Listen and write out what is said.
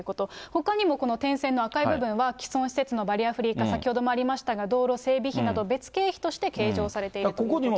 ほかにもこの点線の赤い部分は既存施設のバリアフリー化、先ほどもありましたが、道路整備費など、別経費として計上されているということです。